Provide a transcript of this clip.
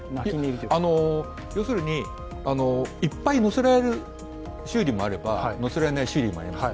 ようするに、いっぱいのせられる修理もあればのせられない修理もあります。